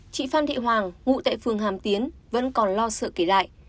chị phan thị hoàng ngụ tại phường hàm tiến vẫn còn lo sợ kể lại